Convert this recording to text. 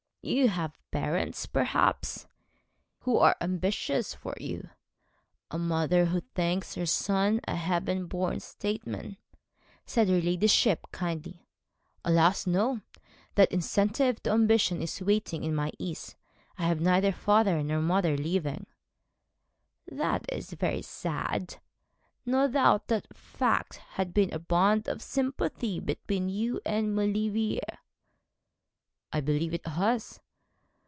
'You have parents, perhaps, who are ambitious for you a mother who thinks her son a heaven born statesman!' said her ladyship, kindly. 'Alas, no! that incentive to ambition is wanting in my case. I have neither father nor mother living.' 'That is very sad. No doubt that fact has been a bond of sympathy between you and Maulevrier?' 'I believe it has.'